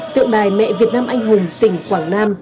tượng đài mẹ việt nam anh hùng tỉnh quảng nam